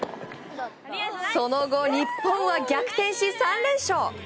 その後、日本は逆転し３連勝！